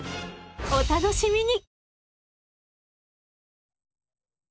お楽しみに！